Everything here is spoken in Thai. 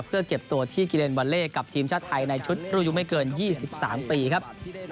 เพื่อเก็บตัวที่กิเลนวาเล่กับทีมชาติไทยในชุดรูยุไม่เกิน๒๓ปีครับ